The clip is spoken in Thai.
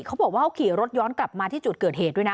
เขาบอกว่าเขาขี่รถย้อนกลับมาที่จุดเกิดเหตุด้วยนะ